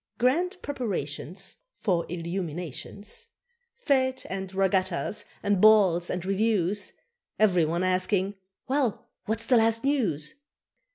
Grand preparations For illuminations. Fêtes and regattas, and balls and reviews, Ev'ry one asking, "Well, what's the last news?"